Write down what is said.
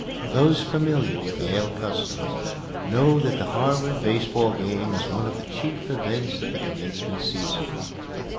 Those familiar with Yale customs know that the Harvard baseball game is one of the chief events of the commencement season.